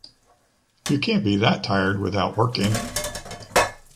You can’t be that tired without working.